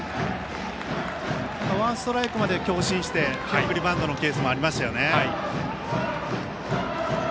ワンストライクまで強振して送りバントのケースもありましたよね。